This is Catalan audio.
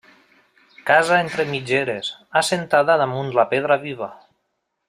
Casa entre mitgeres, assentada damunt la pedra viva.